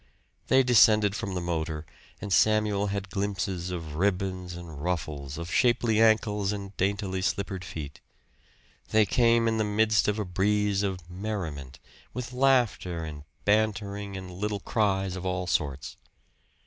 They descended from the motor, and Samuel had glimpses of ribbons and ruffles, of shapely ankles and daintily slippered feet. They came in the midst of a breeze of merriment, with laughter and bantering and little cries of all sorts.